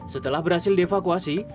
setelah berhasil devakuasi